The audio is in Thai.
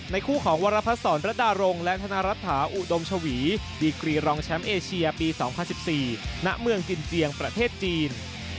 คู่ของวรพัฒนศรประดารงและธนรัฐาอุดมชวีดีกรีรองแชมป์เอเชียปี๒๐๑๔ณเมืองกินเจียงประเทศจีน